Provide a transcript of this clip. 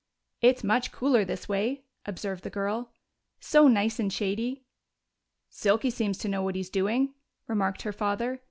"It's much cooler this way," observed the girl. "So nice and shady." "Silky seems to know what he's doing," remarked her father.